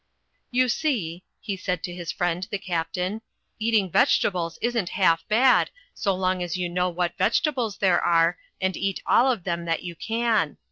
'*You see," he said to his friend the Captain, "eating vegetables isn't half bad, so long as you know what vegetables there are and eat all of them that you can.